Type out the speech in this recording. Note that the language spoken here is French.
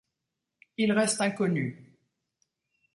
Il reste inconnu.